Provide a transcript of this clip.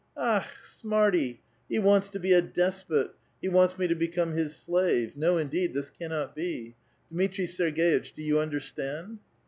^*'A}ch! smartv ! he wants to be a despot; he wants me to become his slave ! no indeed, this cannot be. Dmitri Serg^itch, do you understand?"